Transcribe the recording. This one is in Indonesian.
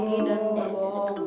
bila terlambat lagi